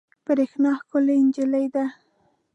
برېښنا ښکلې انجلۍ ده